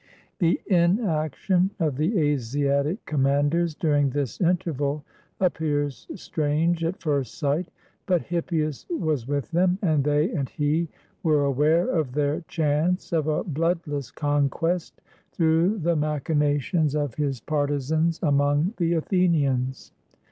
The inaction of the Asiatic commanders during this interval appears strange at first sight; but Hippias was with them, and they and he were aware of their chance of a bloodless conquest through the machinations of his 80 THE BATTLE OF MARATHON partisans among the Athenians.